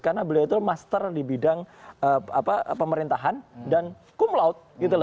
karena beliau itu master di bidang pemerintahan dan cum laude